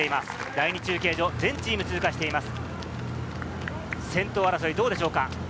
第２中継所、全チーム通過しています。